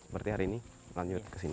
berarti hari ini lanjut ke sini